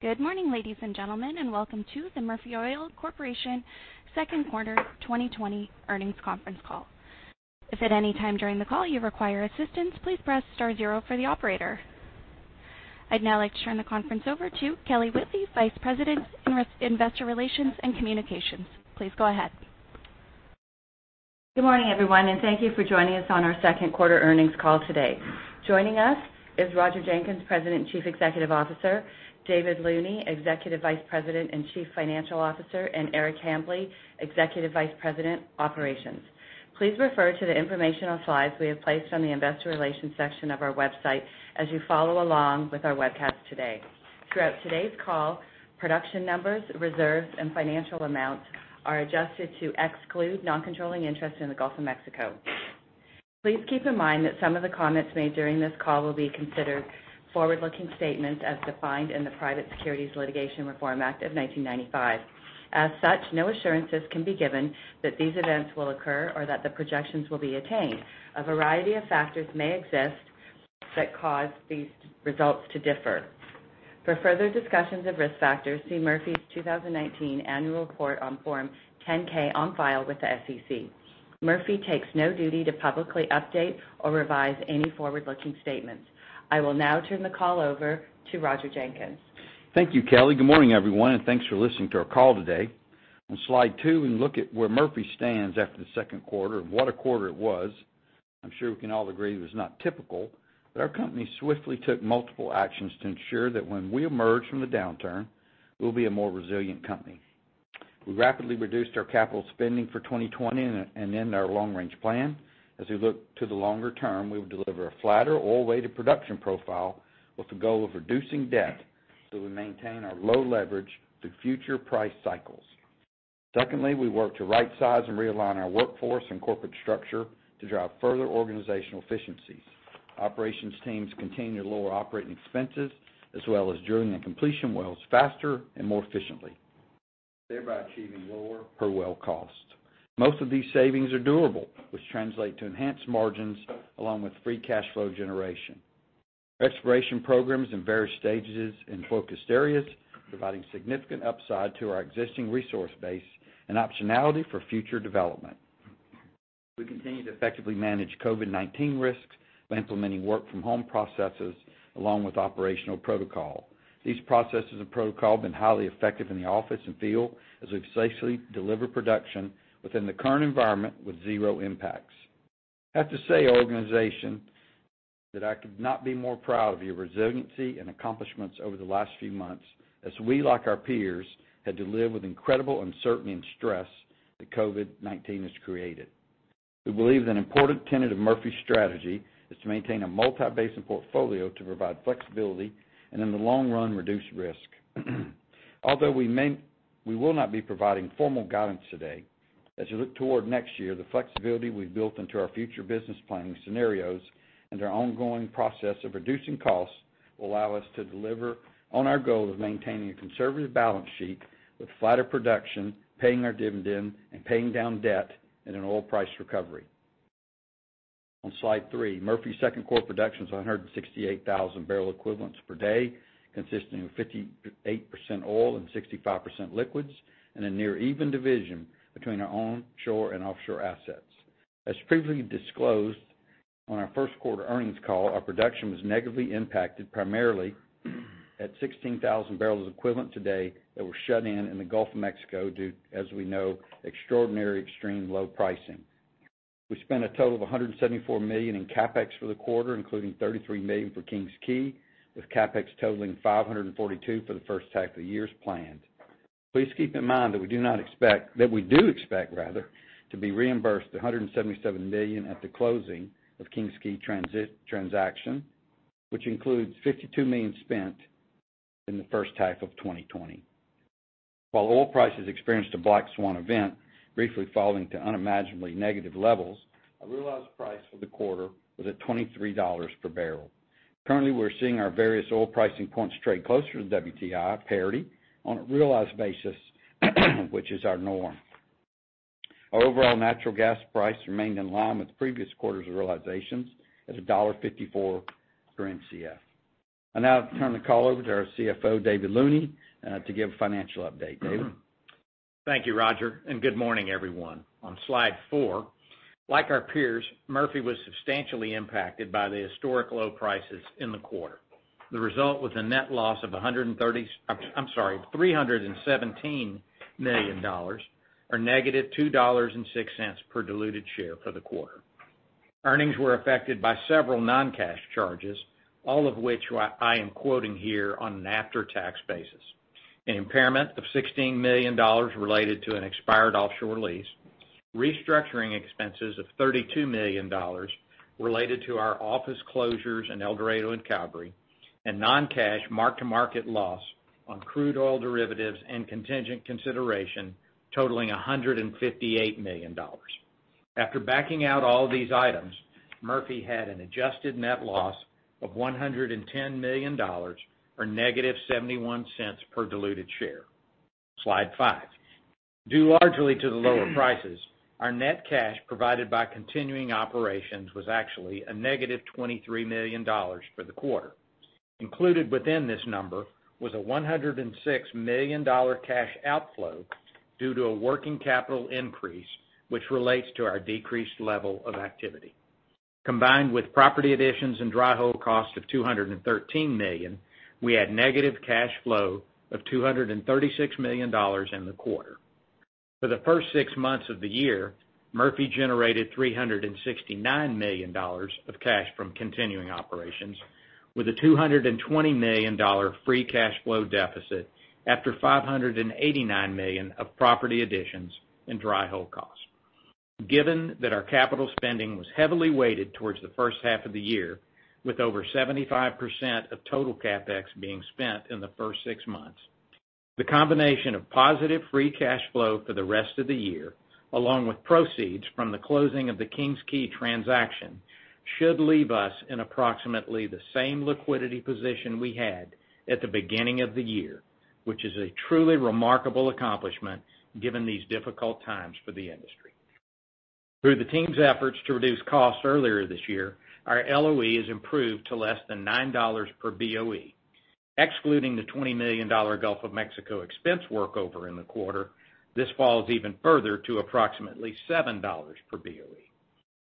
Good morning, ladies and gentlemen, and welcome to the Murphy Oil Corporation Second Quarter 2020 Earnings Conference Call. If at any time during the call you require assistance, please press star zero for the operator. I'd now like to turn the conference over to Kelly Whitley, Vice President, Investor Relations and Communications. Please go ahead. Good morning, everyone, and thank you for joining us on our second quarter earnings call today. Joining us is Roger Jenkins, President and Chief Executive Officer, David Looney, Executive Vice President and Chief Financial Officer, and Eric Hambly, Executive Vice President, Operations. Please refer to the informational slides we have placed on the investor relations section of our website as you follow along with our webcast today. Throughout today's call, production numbers, reserves, and financial amounts are adjusted to exclude non-controlling interest in the Gulf of Mexico. Please keep in mind that some of the comments made during this call will be considered forward-looking statements as defined in the Private Securities Litigation Reform Act of 1995. As such, no assurances can be given that these events will occur or that the projections will be attained. A variety of factors may exist that cause these results to differ. For further discussions of risk factors, see Murphy's 2019 annual report on Form 10-K on file with the SEC. Murphy takes no duty to publicly update or revise any forward-looking statements. I will now turn the call over to Roger Jenkins. Thank you, Kelly. Good morning, everyone, and thanks for listening to our call today. On slide two, we look at where Murphy stands after the second quarter, and what a quarter it was. I'm sure we can all agree it was not typical, but our company swiftly took multiple actions to ensure that when we emerge from the downturn, we'll be a more resilient company. We rapidly reduced our capital spending for 2020 and amend our long-range plan. As we look to the longer term, we will deliver a flatter oil-weighted production profile with the goal of reducing debt, so we maintain our low leverage through future price cycles. Secondly, we work to right-size and realign our workforce and corporate structure to drive further organizational efficiencies. Operations teams continue to lower operating expenses, as well as drilling and completion wells faster and more efficiently, thereby achieving lower per-well cost. Most of these savings are durable, which translate to enhanced margins along with free cash flow generation. Exploration programs in various stages in focused areas, providing significant upside to our existing resource base and optionality for future development. We continue to effectively manage COVID-19 risks by implementing work-from-home processes along with operational protocol. These processes and protocol have been highly effective in the office and field as we've safely delivered production within the current environment with zero impacts. I have to say, organization, that I could not be more proud of your resiliency and accomplishments over the last few months as we, like our peers, had to live with incredible uncertainty and stress that COVID-19 has created. We believe that an important tenet of Murphy's strategy is to maintain a multi-basin portfolio to provide flexibility and, in the long run, reduce risk. Although we will not be providing formal guidance today, as we look toward next year, the flexibility we've built into our future business planning scenarios and our ongoing process of reducing costs will allow us to deliver on our goal of maintaining a conservative balance sheet with flatter production, paying our dividend, and paying down debt in an oil price recovery. On slide three, Murphy's second quarter production is 168,000 bbls equivalents per day, consisting of 58% oil and 65% liquids, and a near even division between our onshore and offshore assets. As previously disclosed on our first quarter earnings call, our production was negatively impacted primarily at 16,000 bbls equivalent per day that were shut in in the Gulf of Mexico due, as we know, extraordinary extreme low pricing. We spent a total of $174 million in CapEx for the quarter, including $33 million for King's Quay, with CapEx totaling $542 million for the first half of the year as planned. Please keep in mind that we do expect, rather, to be reimbursed $177 million at the closing of King's Quay transaction, which includes $52 million spent in the first half of 2020. While oil prices experienced a black swan event, briefly falling to unimaginably negative levels, our realized price for the quarter was at $23 per barrel. Currently, we're seeing our various oil pricing points trade closer to WTI parity on a realized basis, which is our norm. Our overall natural gas price remained in line with previous quarters' realizations at $1.54 per Mcf. I now turn the call over to our CFO, David Looney, to give a financial update. David? Thank you, Roger. Good morning, everyone. On slide four, like our peers, Murphy was substantially impacted by the historic low prices in the quarter. The result was a net loss of $317 million, or -$2.06 per diluted share for the quarter. Earnings were affected by several non-cash charges, all of which I am quoting here on an after-tax basis. An impairment of $16 million related to an expired offshore lease, restructuring expenses of $32 million related to our office closures in El Dorado and Calgary, and non-cash mark-to-market loss on crude oil derivatives and contingent consideration totaling $158 million. After backing out all these items, Murphy had an adjusted net loss of $110 million or -$0.71 per diluted share. Slide five. Due largely to the lower prices, our net cash provided by continuing operations was actually -$23 million for the quarter. Included within this number was a $106 million cash outflow due to a working capital increase, which relates to our decreased level of activity. Combined with property additions and dry hole cost of $213 million, we had negative cash flow of $236 million in the quarter. For the first six months of the year, Murphy generated $369 million of cash from continuing operations with a $220 million free cash flow deficit after $589 million of property additions in dry hole costs. Given that our capital spending was heavily weighted towards the first half of the year, with over 75% of total CapEx being spent in the first six months, the combination of positive free cash flow for the rest of the year, along with proceeds from the closing of the King's Quay transaction, should leave us in approximately the same liquidity position we had at the beginning of the year, which is a truly remarkable accomplishment given these difficult times for the industry. Through the team's efforts to reduce costs earlier this year, our LOE has improved to less than $9 per BOE. Excluding the $20 million Gulf of Mexico expense workover in the quarter, this falls even further to approximately $7 per BOE.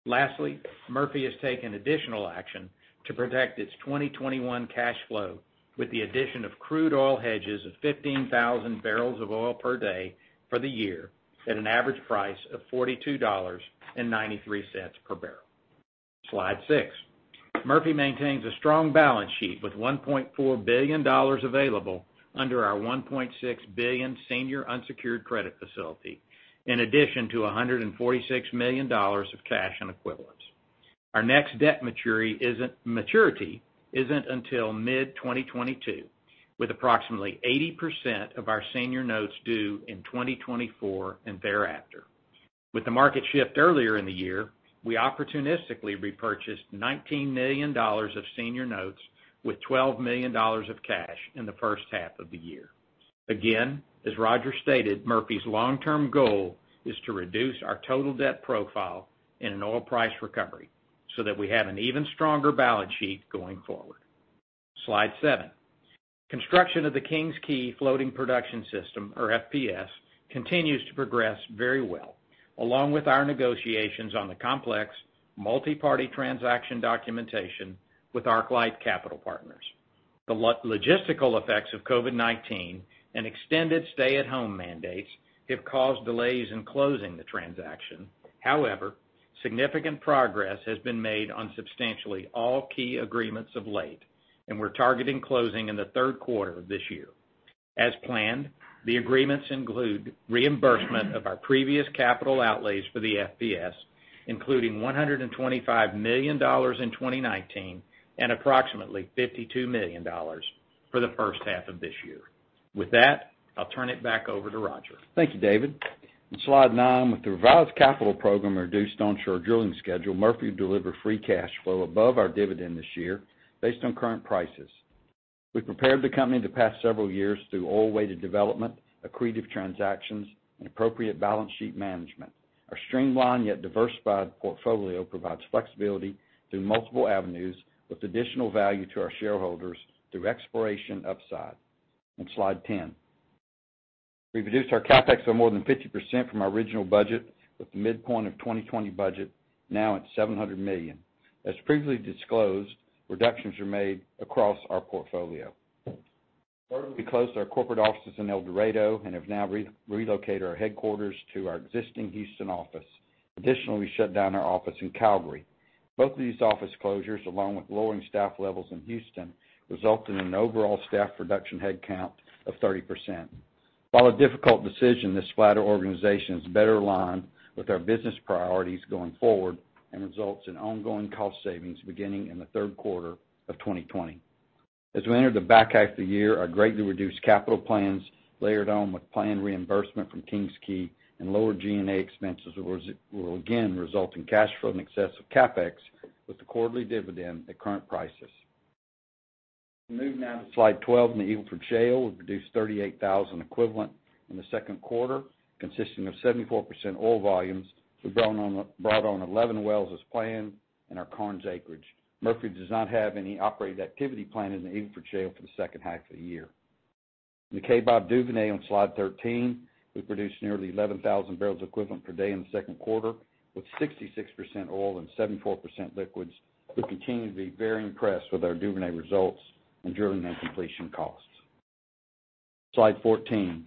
Lastly, Murphy has taken additional action to protect its 2021 cash flow with the addition of crude oil hedges of 15,000 bbls of oil per day for the year at an average price of $42.93 per barrel. Slide six. Murphy maintains a strong balance sheet with $1.4 billion available under our $1.6 billion senior unsecured credit facility, in addition to $146 million of cash and equivalents. Our next debt maturity isn't until mid-2022, with approximately 80% of our senior notes due in 2024 and thereafter. With the market shift earlier in the year, we opportunistically repurchased $19 million of senior notes with $12 million of cash in the first half of the year. Again, as Roger stated, Murphy's long-term goal is to reduce our total debt profile in an oil price recovery so that we have an even stronger balance sheet going forward. Slide seven. Construction of the King's Quay floating production system, or FPS, continues to progress very well, along with our negotiations on the complex multi-party transaction documentation with ArcLight Capital Partners. The logistical effects of COVID-19 and extended stay-at-home mandates have caused delays in closing the transaction. Significant progress has been made on substantially all key agreements of late, and we're targeting closing in the third quarter of this year. As planned, the agreements include reimbursement of our previous capital outlays for the FPS, including $125 million in 2019 and approximately $52 million for the first half of this year. With that, I'll turn it back over to Roger. Thank you, David. In slide nine, with the revised capital program and reduced onshore drilling schedule, Murphy will deliver free cash flow above our dividend this year based on current prices. We've prepared the company the past several years through oil-weighted development, accretive transactions, and appropriate balance sheet management. Our streamlined yet diversified portfolio provides flexibility through multiple avenues with additional value to our shareholders through exploration upside. On slide 10. We've reduced our CapEx by more than 50% from our original budget, with the midpoint of 2020 budget now at $700 million. As previously disclosed, reductions were made across our portfolio. We closed our corporate offices in El Dorado and have now relocated our headquarters to our existing Houston office. Additionally, we shut down our office in Calgary. Both of these office closures, along with lowering staff levels in Houston, result in an overall staff reduction headcount of 30%. While a difficult decision, this flatter organization is better aligned with our business priorities going forward and results in ongoing cost savings beginning in the third quarter of 2020. As we enter the back half of the year, our greatly reduced capital plans, layered on with planned reimbursement from King's Quay and lower G&A expenses, will again result in cash flow in excess of CapEx with the quarterly dividend at current prices. Moving now to slide 12. In the Eagle Ford Shale, we produced 38,000 equivalent in the second quarter, consisting of 74% oil volumes. We brought on 11 wells as planned in our Karnes acreage. Murphy does not have any operated activity planned in the Eagle Ford Shale for the second half of the year. In the Kaybob Duvernay on slide 13, we produced nearly 11,000 bbls equivalent per day in the second quarter, with 66% oil and 74% liquids. We continue to be very impressed with our Duvernay results in drilling and completion costs. Slide 14.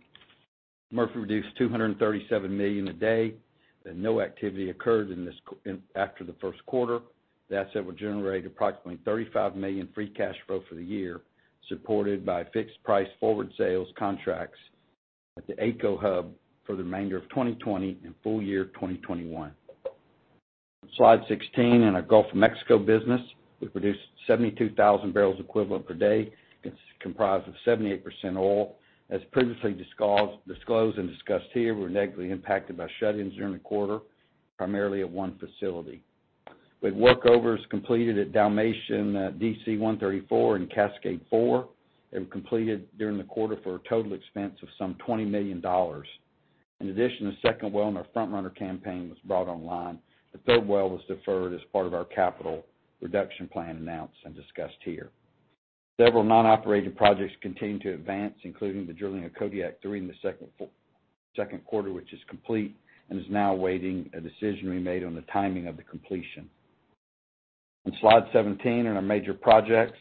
Murphy reduced 237 million a day, no activity occurred after the first quarter. The asset will generate approximately $35 million free cash flow for the year, supported by fixed price forward sales contracts at the AECO hub for the remainder of 2020 and full year 2021. Slide 16. In our Gulf of Mexico business, we produced 72,000 bbls equivalent per day. It's comprised of 78% oil. As previously disclosed and discussed here, we were negatively impacted by shut-ins during the quarter, primarily at one facility. With workovers completed at Dalmatian DC-134 and Cascade 4, completed during the quarter for a total expense of some $20 million. In addition, a second well in our Front Runner campaign was brought online. The third well was deferred as part of our capital reduction plan announced and discussed here. Several non-operated projects continue to advance, including the drilling of Kodiak during the second quarter, which is complete and is now awaiting a decision we made on the timing of the completion. On slide 17, in our major projects,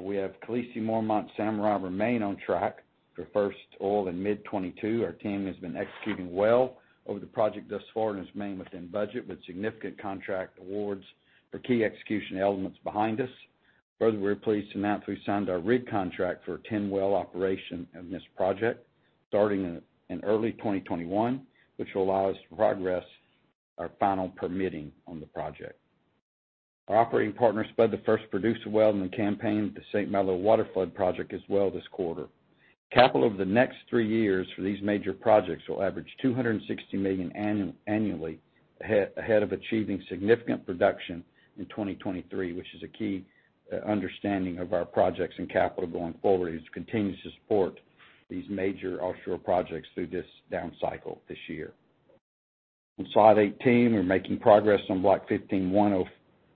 we have Khaleesi, Mormont, Samurai, remain on track for first oil in mid 2022. Our team has been executing well over the project thus far and has remained within budget, with significant contract awards for key execution elements behind us. We're pleased to announce we signed our rig contract for a 10-well operation in this project starting in early 2021, which will allow us to progress our final permitting on the project. Our operating partner spud the first producer well in the campaign at the St. Malo waterflood project as well this quarter. Capital over the next three years for these major projects will average $260 million annually, ahead of achieving significant production in 2023, which is a key understanding of our projects and capital going forward, as we continue to support these major offshore projects through this down cycle this year. On slide 18, we're making progress on Block 15-1/05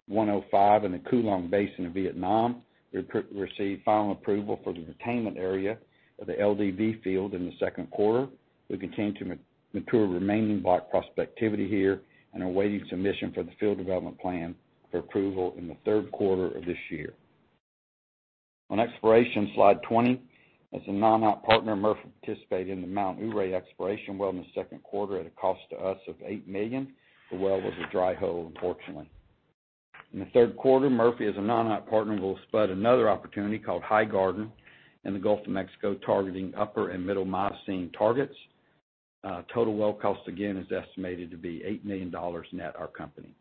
in the Cuu Long Basin of Vietnam. We received final approval for the retainment area of the LDV field in the second quarter. We continue to mature remaining block prospectivity here and are awaiting submission for the field development plan for approval in the third quarter of this year. On exploration, slide 20. As a non-op partner, Murphy participated in the Mount Ouray exploration well in the second quarter at a cost to us of $8 million. The well was a dry hole, unfortunately. In the third quarter, Murphy as a non-op partner will spud another opportunity called Highgarden in the Gulf of Mexico, targeting upper and middle Miocene targets. Total well cost again is estimated to be $8 million net our company.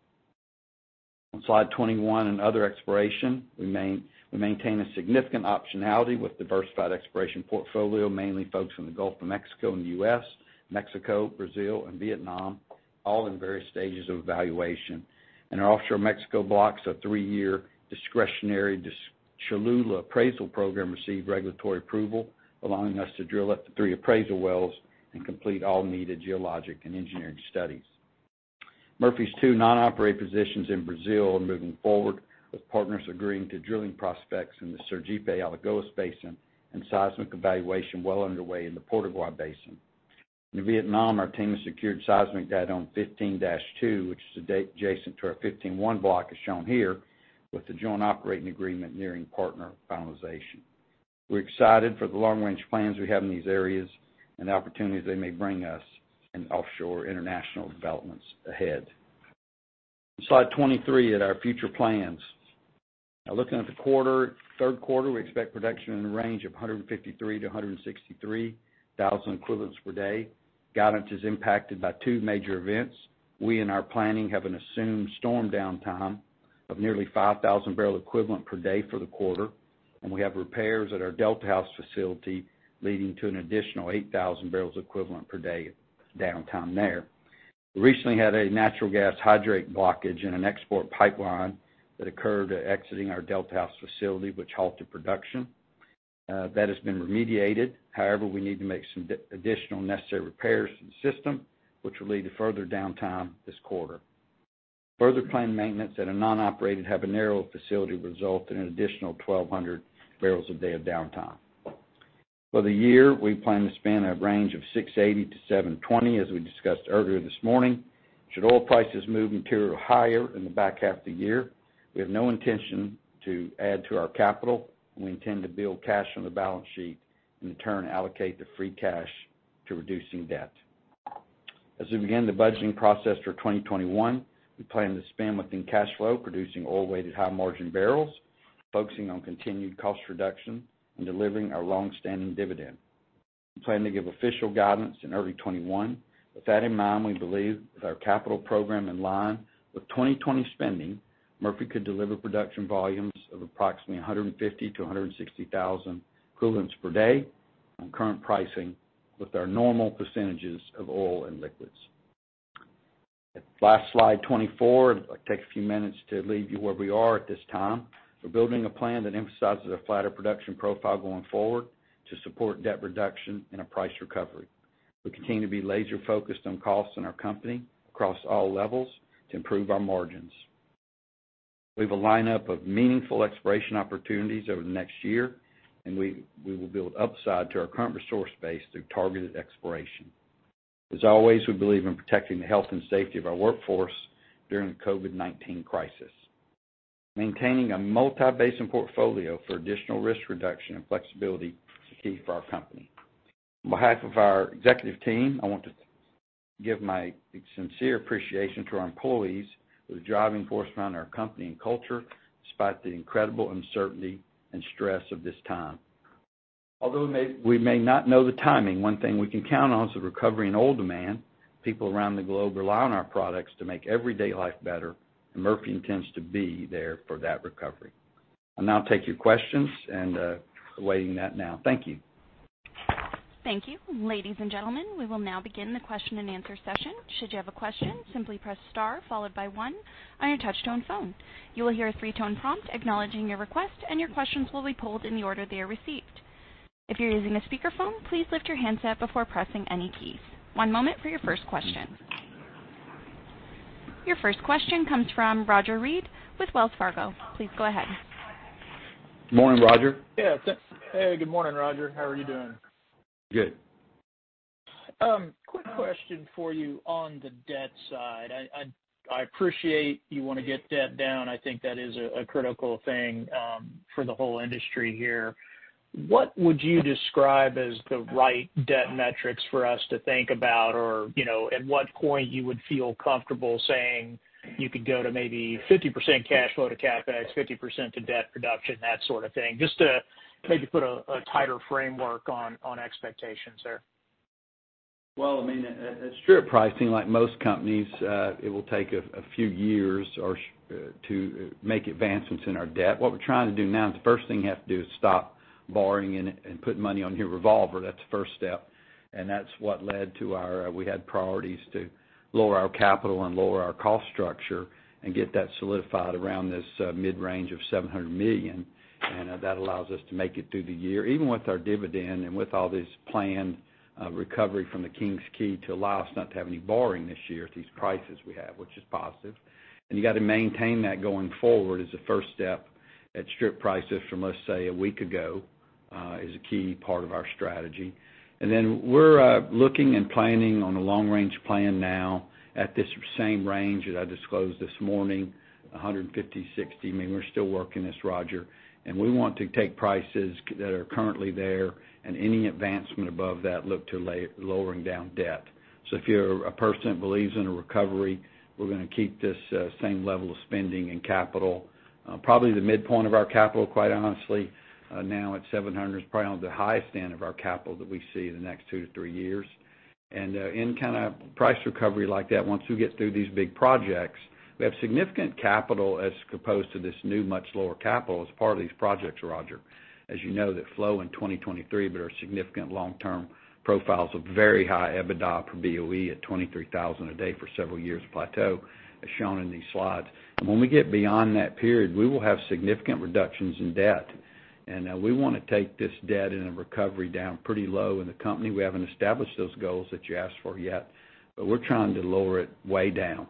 On slide 21, in other exploration, we maintain a significant optionality with diversified exploration portfolio, mainly focused on the Gulf of Mexico and the U.S., Mexico, Brazil, and Vietnam, all in various stages of evaluation. In our offshore Mexico blocks, a three-year discretionary Cholula appraisal program received regulatory approval, allowing us to drill up to three appraisal wells and complete all needed geologic and engineering studies. Murphy's two non-operated positions in Brazil are moving forward, with partners agreeing to drilling prospects in the Sergipe-Alagoas Basin and seismic evaluation well underway in the Sergipe-Alagoas Basin. In Vietnam, our team has secured seismic data on 15-2, which is adjacent to our 15-1 block, as shown here, with the joint operating agreement nearing partner finalization. We're excited for the long-range plans we have in these areas and the opportunities they may bring us in offshore international developments ahead. On slide 23 at our future plans. Looking at the third quarter, we expect production in the range of 153,000 to 163,000 equivalents per day. Guidance is impacted by two major events. We, in our planning, have an assumed storm downtime of nearly 5,000 bbls equivalent per day for the quarter, and we have repairs at our Delta House facility, leading to an additional 8,000 bbls equivalent per day of downtime there. We recently had a natural gas hydrate blockage in an export pipeline that occurred exiting our Delta House facility, which halted production. That has been remediated. However, we need to make some additional necessary repairs to the system, which will lead to further downtime this quarter. Further planned maintenance at our non-operated Habanero facility result in an additional 1,200 bbls a day of downtime. For the year, we plan to spend a range of $680-$720, as we discussed earlier this morning. Should oil prices move material higher in the back half of the year, we have no intention to add to our capital, and we intend to build cash on the balance sheet and in turn allocate the free cash to reducing debt. As we begin the budgeting process for 2021, we plan to spend within cash flow, producing oil-weighted high-margin barrels, focusing on continued cost reduction, and delivering our longstanding dividend. We plan to give official guidance in early 2021. With that in mind, we believe with our capital program in line with 2020 spending, Murphy could deliver production volumes of approximately 150,000 to 160,000 equivalents per day on current pricing with our normal percentages of oil and liquids. Last slide, 24. I'd like to take a few minutes to leave you where we are at this time. We're building a plan that emphasizes a flatter production profile going forward to support debt reduction in a price recovery. We continue to be laser-focused on costs in our company across all levels to improve our margins. We have a lineup of meaningful exploration opportunities over the next year, and we will build upside to our current resource base through targeted exploration. As always, we believe in protecting the health and safety of our workforce during the COVID-19 crisis. Maintaining a multi-basin portfolio for additional risk reduction and flexibility is a key for our company. On behalf of our executive team, I want to give my sincere appreciation to our employees, who are the driving force behind our company and culture despite the incredible uncertainty and stress of this time. Although we may not know the timing, one thing we can count on is the recovery in oil demand. People around the globe rely on our products to make everyday life better, and Murphy intends to be there for that recovery. I'll now take your questions and awaiting that now. Thank you. Thank you. Ladies and gentlemen, we will now begin the question and answer session. Should you have a question, simply press star followed by one on your touch-tone phone. You will hear a three-tone prompt acknowledging your request, and your questions will be pulled in the order they are received. If you're using a speakerphone, please lift your handset before pressing any keys. One moment for your first question. Your first question comes from Roger Read with Wells Fargo. Please go ahead. Morning, Roger. Yeah. Hey, good morning, Roger. How are you doing? Good. Quick question for you on the debt side. I appreciate you want to get debt down. I think that is a critical thing for the whole industry here. What would you describe as the right debt metrics for us to think about? At what point you would feel comfortable saying you could go to maybe 50% cash flow to CapEx, 50% to debt reduction, that sort of thing, just to maybe put a tighter framework on expectations there? Well, at strip pricing, like most companies, it will take a few years to make advancements in our debt. What we're trying to do now, and the first thing you have to do, is stop borrowing and put money on your revolver. That's the first step, and that's what led to we had priorities to lower our capital and lower our cost structure and get that solidified around this mid-range of $700 million. That allows us to make it through the year, even with our dividend and with all this planned recovery from the King's Quay to allow us not to have any borrowing this year at these prices we have, which is positive. You got to maintain that going forward as a first step at strip prices from, let's say, a week ago, is a key part of our strategy. We're looking and planning on a long-range plan now at this same range that I disclosed this morning, $150-$60. We're still working this, Roger. We want to take prices that are currently there and any advancement above that look to lowering down debt. If you're a person that believes in a recovery, we're going to keep this same level of spending and capital. Probably the midpoint of our capital, quite honestly, now at $700 million, is probably on the high end of our capital that we see in the next two to three years. Any kind of price recovery like that, once we get through these big projects, we have significant capital as opposed to this new, much lower capital as part of these projects, Roger. As you know, that flow in 2023, but our significant long-term profiles of very high EBITDA for BOE at 23,000 a day for several years plateau, as shown in these slides. When we get beyond that period, we will have significant reductions in debt. We want to take this debt in a recovery down pretty low in the company. We haven't established those goals that you asked for yet, but we're trying to lower it way down.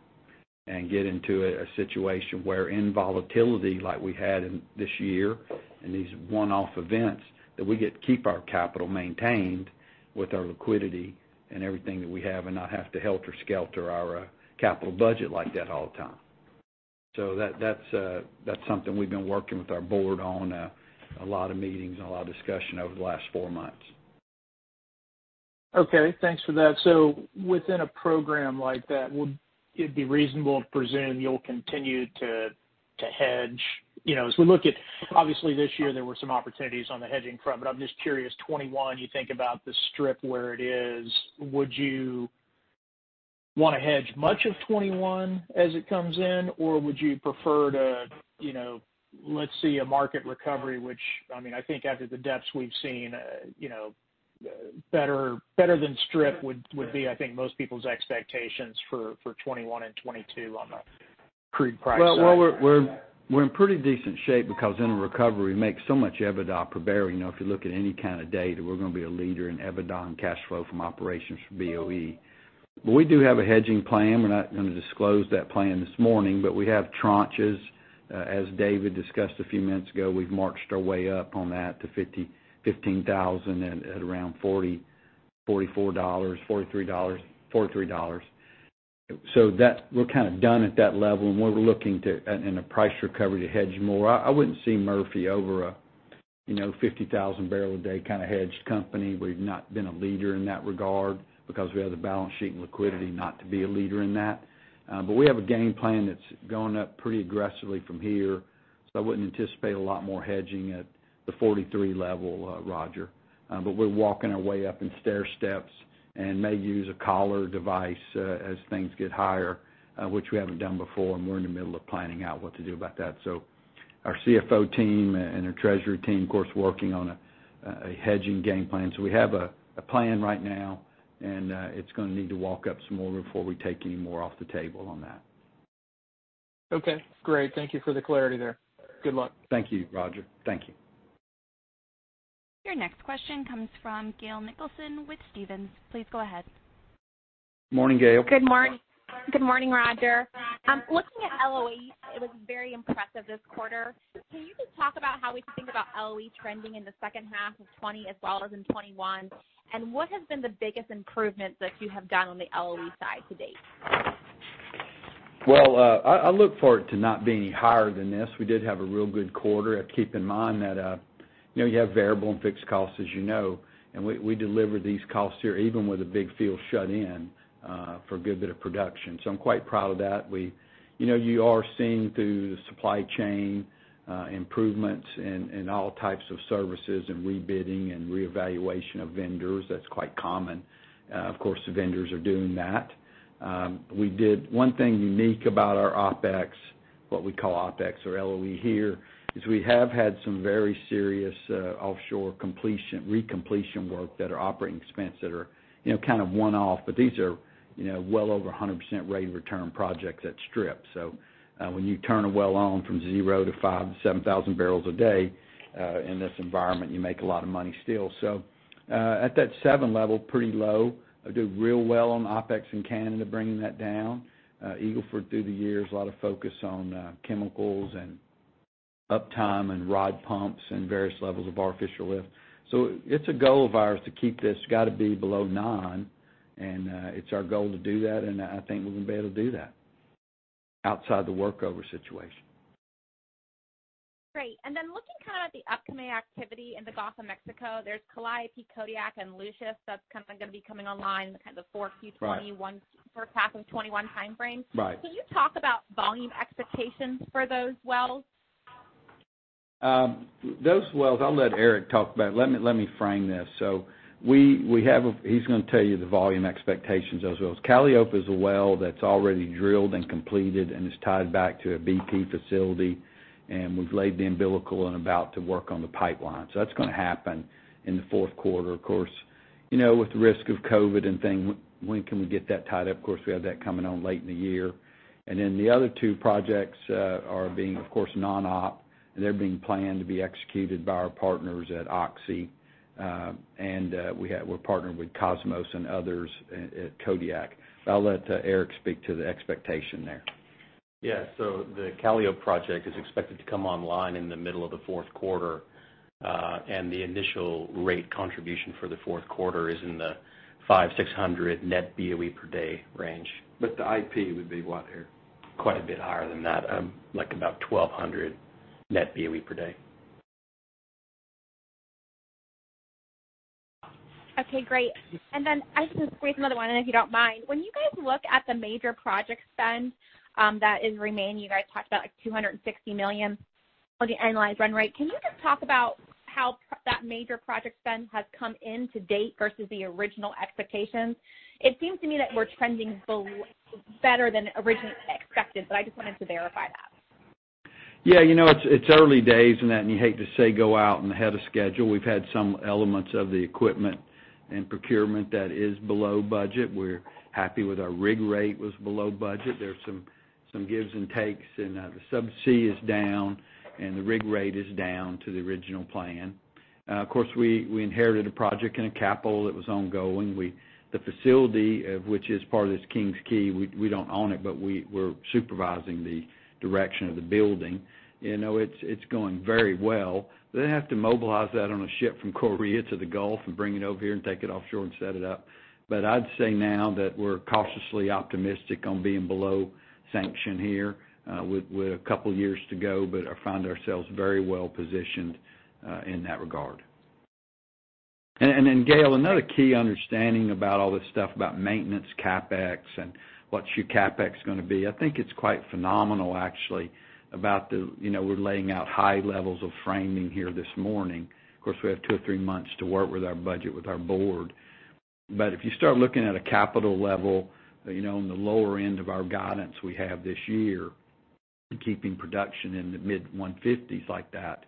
Get into a situation where in volatility like we had in this year, and these one-off events, that we get to keep our capital maintained with our liquidity and everything that we have, and not have to helter skelter our capital budget like that all the time. That's something we've been working with our board on, a lot of meetings and a lot of discussion over the last four months. Thanks for that. Within a program like that, would it be reasonable to presume you'll continue to hedge? Obviously this year, there were some opportunities on the hedging front, but I'm just curious, 2021, you think about the strip where it is, would you want to hedge much of 2021 as it comes in? Would you prefer to let's see a market recovery, which I think after the depths we've seen, better than strip would be, I think, most people's expectations for 2021 and 2022 on the crude price side. Well, we're in pretty decent shape because in a recovery, we make so much EBITDA per barrel. If you look at any kind of data, we're going to be a leader in EBITDA and cash flow from operations from BOE. We do have a hedging plan. We're not going to disclose that plan this morning, but we have tranches. As David discussed a few minutes ago, we've marched our way up on that to 15,000 at around $44, $43. That we're kind of done at that level, and we're looking in a price recovery to hedge more. I wouldn't see Murphy over a 50,000-barrel-a-day kind of hedged company. We've not been a leader in that regard because we have the balance sheet and liquidity not to be a leader in that. We have a game plan that's going up pretty aggressively from here, so I wouldn't anticipate a lot more hedging at the 43 level, Roger. We're walking our way up in stairsteps and may use a collar device as things get higher, which we haven't done before, and we're in the middle of planning out what to do about that. Our CFO team and our treasury team, of course, working on a hedging game plan. We have a plan right now, and it's going to need to walk up some more before we take any more off the table on that. Okay. Great. Thank you for the clarity there. Good luck. Thank you, Roger. Thank you. Your next question comes from Gail Nicholson with Stephens. Please go ahead. Morning, Gail. Good morning, Roger. Looking at LOE, it was very impressive this quarter. Can you just talk about how we should think about LOE trending in the second half of 2020 as well as in 2021? What has been the biggest improvements that you have done on the LOE side to date? Well, I look forward to not being any higher than this. We did have a real good quarter. Keep in mind that you have variable and fixed costs, as you know, We deliver these costs here even with a big field shut in for a good bit of production. I'm quite proud of that. You are seeing through the supply chain improvements in all types of services and rebidding and reevaluation of vendors. That's quite common. Of course, the vendors are doing that. We did one thing unique about our OpEx. What we call OpEx or LOE here, is we have had some very serious offshore completion, recompletion work that are operating expense that are one-off, These are well over 100% rate of return projects that strip. When you turn a well on from 0 bbl to 5,000 bbls to 7,000 bbls a day in this environment, you make a lot of money still. At that 7 level, pretty low. I did real well on OpEx in Canada, bringing that down. Eagle Ford through the years, a lot of focus on chemicals and uptime and rod pumps and various levels of artificial lift. It's a goal of ours to keep this, got to be below nine, and it's our goal to do that, and I think we're going to be able to do that outside the workover situation. Great. Then looking at the upcoming activity in the Gulf of Mexico, there's Calliope, Kodiak and Lucius that's going to be coming online in the fourth quarter 2021- Right. Fourth half of 2021 timeframe. Right. Can you talk about volume expectations for those wells? Those wells, I'll let Eric talk about it. Let me frame this. He's going to tell you the volume expectations of those wells. Calliope is a well that's already drilled and completed and is tied back to a BP facility, and we've laid the umbilical and about to work on the pipeline. That's going to happen in the fourth quarter. Of course, with the risk of COVID and things, when can we get that tied up? Of course, we have that coming on late in the year. The other two projects are being, of course, non-op, and they're being planned to be executed by our partners at Oxy. We're partnered with Kosmos and others at Kodiak. I'll let Eric speak to the expectation there. Yeah. The Calliope project is expected to come online in the middle of the fourth quarter. The initial rate contribution for the fourth quarter is in the 500, 600 net BOE per day range. The IP would be what, Eric? Quite a bit higher than that, like about 1,200 net BOE per day. Okay, great. I just want to raise another one, if you don't mind. When you guys look at the major project spend that is remaining, you guys talked about $260 million on the annualized run rate. Can you just talk about how that major project spend has come in to date versus the original expectations? It seems to me that we're trending better than originally expected, but I just wanted to verify that. Yeah. It's early days in that, and you hate to say go out and ahead of schedule. We've had some elements of the equipment and procurement that is below budget. We're happy with our rig rate was below budget. There's some gives and takes, and the subsea is down, and the rig rate is down to the original plan. Of course, we inherited a project and a capital that was ongoing. The facility, which is part of this King's Quay, we don't own it, but we're supervising the direction of the building. It's going very well. They have to mobilize that on a ship from Korea to the Gulf and bring it over here and take it offshore and set it up. I'd say now that we're cautiously optimistic on being below sanction here with a couple of years to go, but I find ourselves very well-positioned in that regard. Then Gail, another key understanding about all this stuff about maintenance CapEx and what your CapEx's going to be, I think it's quite phenomenal actually, about we're laying out high levels of framing here this morning. Of course, we have two or three months to work with our budget with our board. If you start looking at a capital level on the lower end of our guidance we have this year, and keeping production in the mid-150s like that,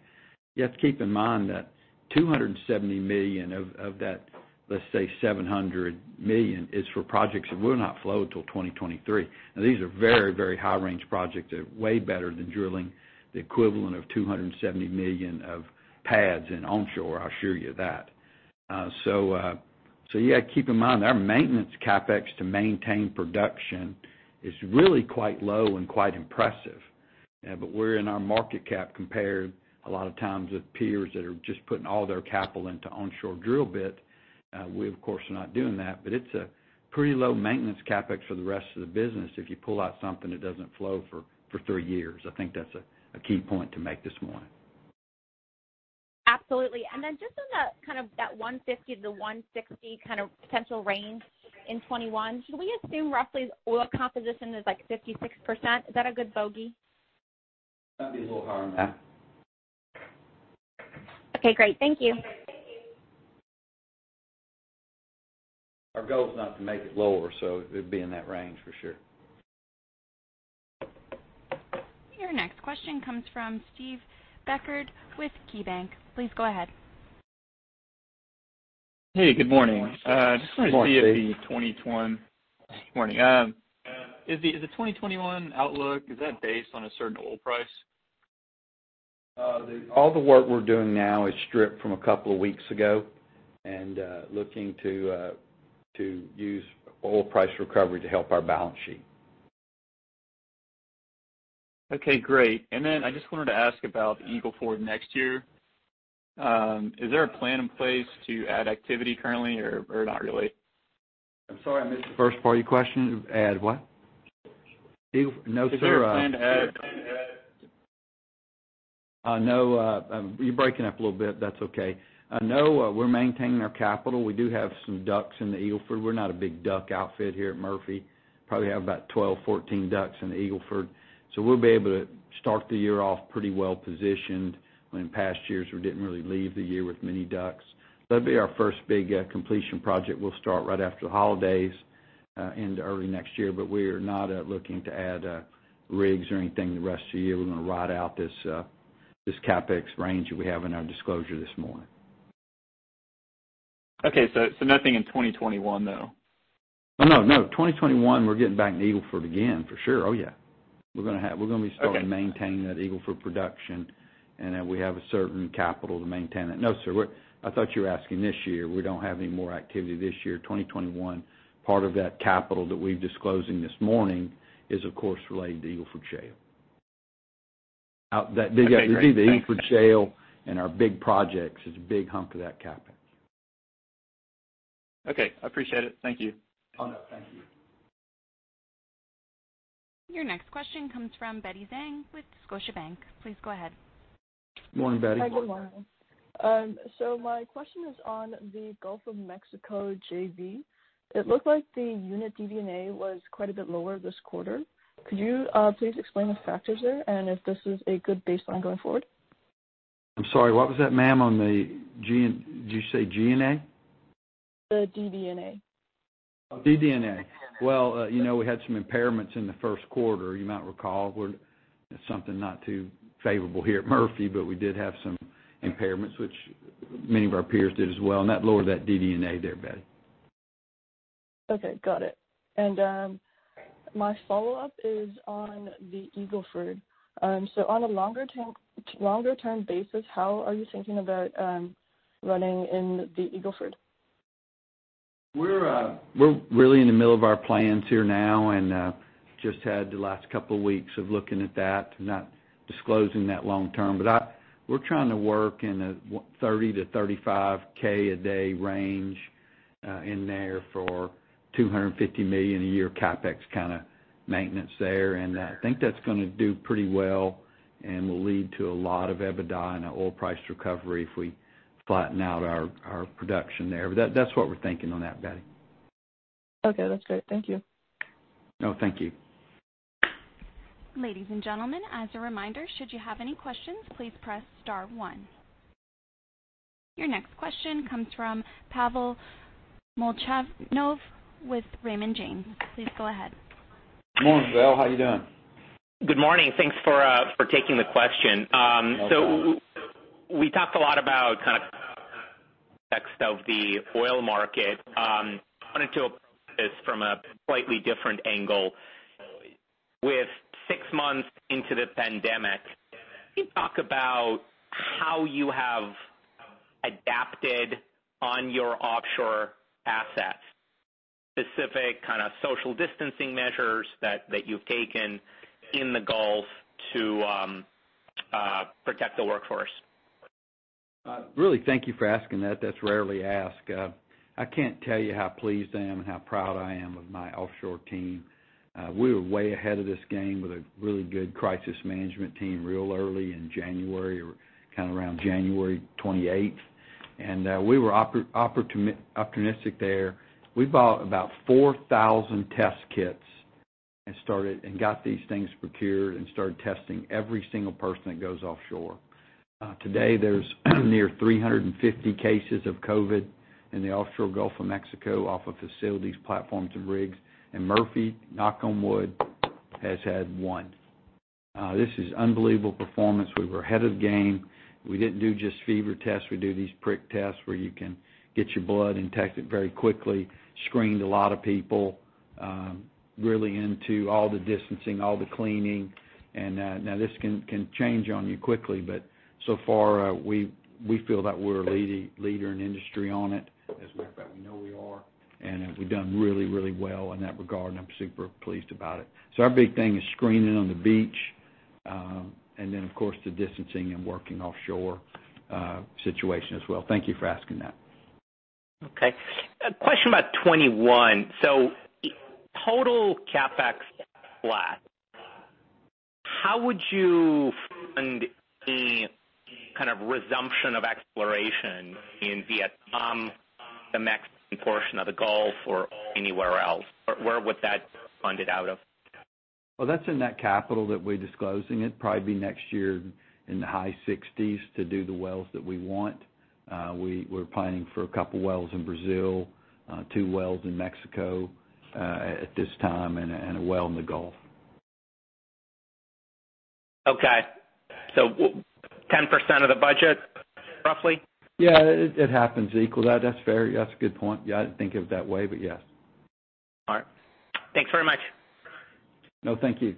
you have to keep in mind that $270 million of that, let's say, $700 million is for projects that will not flow till 2023. Now, these are very high range projects. They're way better than drilling the equivalent of $270 million of pads in onshore, I'll assure you that. Yeah, keep in mind, our maintenance CapEx to maintain production is really quite low and quite impressive. We're in our market cap compared a lot of times with peers that are just putting all their capital into onshore drill bit. We, of course, are not doing that, but it's a pretty low maintenance CapEx for the rest of the business if you pull out something that doesn't flow for three years. I think that's a key point to make this morning. Absolutely. Just on that 150 to the 160 potential range in 2021, should we assume roughly oil composition is like 56%? Is that a good bogey? That'd be a little higher than that. Okay, great. Thank you. Our goal is not to make it lower, so it'd be in that range for sure. Your next question comes from Steve Dechert with KeyBanc. Please go ahead. Hey, good morning. Good morning, Steve. Good morning. The 2021 outlook, is that based on a certain oil price? All the work we're doing now is stripped from a couple of weeks ago and looking to use oil price recovery to help our balance sheet. Okay, great. I just wanted to ask about Eagle Ford next year. Is there a plan in place to add activity currently or not really? I'm sorry, I missed the first part of your question. Add what? Is there a plan to add- No. You're breaking up a little bit. That's okay. We're maintaining our capital. We do have some DUCs. We're not a big DUC outfit here at Murphy. Probably have about 12, 14 DUCs in the Eagle Ford. We'll be able to start the year off pretty well-positioned. In past years, we didn't really leave the year with many DUCs. That'd be our first big completion project. We'll start right after the holidays into early next year. We are not looking to add rigs or anything the rest of the year. We're going to ride out this CapEx range that we have in our disclosure this morning. Okay. Nothing in 2021, though? No. 2021, we're getting back into Eagle Ford again, for sure. Oh, yeah. Okay. We're going to start to maintain that Eagle Ford production. We have a certain CapEx to maintain that. No, sir. I thought you were asking this year. We don't have any more activity this year. 2021, part of that CapEx that we're disclosing this morning is, of course, related to Eagle Ford Shale. Okay, great. Thanks Eagle Ford Shale and our big projects is a big hump of that CapEx. Okay. I appreciate it. Thank you. Oh, no. Thank you. Your next question comes from Betty Zhang with Scotiabank. Please go ahead. Morning, Betty. Hi, good morning. My question is on the Gulf of Mexico JV. It looked like the unit DD&A was quite a bit lower this quarter. Could you please explain the factors there, and if this is a good baseline going forward? I'm sorry, what was that, ma'am, on the Did you say G&A? The DD&A. DD&A. Well, we had some impairments in the first quarter. You might recall something not too favorable here at Murphy, but we did have some impairments, which many of our peers did as well, and that lowered that DD&A there, Betty. Okay, got it. My follow-up is on the Eagle Ford. On a longer-term basis, how are you thinking about running in the Eagle Ford? We're really in the middle of our plans here now, and just had the last couple weeks of looking at that. I'm not disclosing that long term. We're trying to work in a 30K-35K a day range in there for $250 million a year CapEx kind of maintenance there. I think that's going to do pretty well and will lead to a lot of EBITDA and an oil price recovery if we flatten out our production there. That's what we're thinking on that, Betty. Okay, that's great. Thank you. No, thank you. Ladies and gentlemen, as a reminder, should you have any questions, please press star 1. Your next question comes from Pavel Molchanov with Raymond James. Please go ahead. Morning, Pavel. How you doing? Good morning. Thanks for taking the question. No problem. We talked a lot about kind of the context of the oil market. I wanted to approach this from a slightly different angle. With six months into the pandemic, can you talk about how you have adapted on your offshore assets, specific kind of social distancing measures that you've taken in the Gulf to protect the workforce? Really, thank you for asking that. That's rarely asked. I can't tell you how pleased I am and how proud I am of my offshore team. We were way ahead of this game with a really good crisis management team, real early in January, or kind of around January 28th. We were opportunistic there. We bought about 4,000 test kits and got these things procured and started testing every single person that goes offshore. Today, there's near 350 cases of COVID-19 in the offshore Gulf of Mexico off of facilities, platforms, and rigs. Murphy, knock on wood, has had one. This is unbelievable performance. We were ahead of the game. We didn't do just fever tests. We do these prick tests where you can get your blood and test it very quickly, screened a lot of people, really into all the distancing, all the cleaning. Now this can change on you quickly. So far, we feel that we're a leader in the industry on it. As a matter of fact, we know we are, and we've done really well in that regard, and I'm super pleased about it. Our big thing is screening on the beach, and then, of course, the distancing and working offshore situation as well. Thank you for asking that. Okay. A question about 2021. Total CapEx flat. How would you fund any kind of resumption of exploration in Vietnam, the Mexican portion of the Gulf, or anywhere else? Where would that be funded out of? Well, that's in that capital that we're disclosing. It'd probably be next year in the high 60s to do the wells that we want. We're planning for a couple wells in Brazil, two wells in Mexico at this time, and one well in the Gulf. Okay. 10% of the budget, roughly? Yeah. It happens equal. That's fair. That's a good point. Yeah, I didn't think of it that way, but yes. All right. Thanks very much. No, thank you.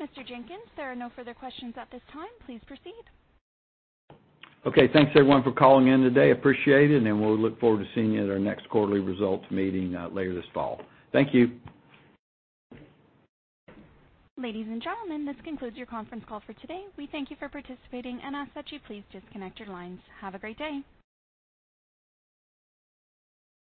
Mr. Jenkins, there are no further questions at this time. Please proceed. Okay. Thanks, everyone, for calling in today. Appreciate it, and we'll look forward to seeing you at our next quarterly results meeting later this fall. Thank you. Ladies and gentlemen, this concludes your conference call for today. We thank you for participating and ask that you please disconnect your lines. Have a great day.